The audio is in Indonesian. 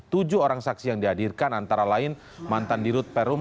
tujuh orang saksi yang dihadirkan antara lain mantan dirut perum